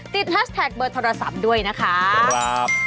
แฮชแท็กเบอร์โทรศัพท์ด้วยนะคะ